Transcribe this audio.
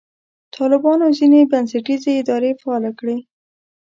طالبانو ځینې بنسټیزې ادارې فعاله کړې.